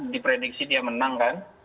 diprediksi dia menang kan